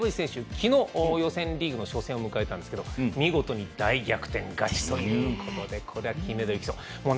きのう予選リーグの初戦を迎えたんですけれども見事に大逆転勝ちということで金メダルいきそう。